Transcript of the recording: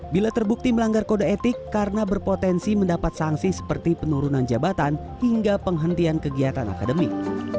bila terbukti melanggar kode etik karena berpotensi mendapat sanksi seperti penurunan jabatan hingga penghentian kegiatan akademik